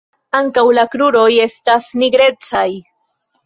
Ankaŭ la kruroj estas nigrecaj.